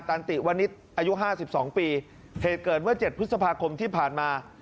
ตันติวณิษฐ์อายุ๕๒ปีเหตุเกิดเมื่อ๗พฤษภาคมที่ผ่านมา